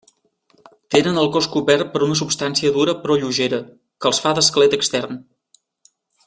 Tenen el cos cobert per una substància dura però lleugera que els fa d'esquelet extern.